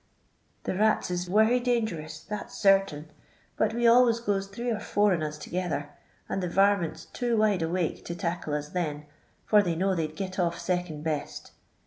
" The rata is wery danserons, that 's sartain, but we always goes three or nmr on us together, and the varmint 's too wide awake to tackle us then, for they know they 'd git off second best.